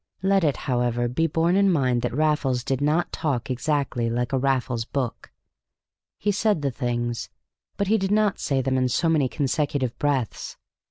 Let it, however, be borne in mind that Raffles did not talk exactly like a Raffles book: he said the things, but he did not say them in so many consecutive breaths.